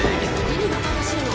「何が正しいの？」